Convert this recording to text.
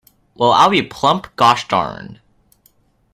Well, I'll be plumb gosh darned.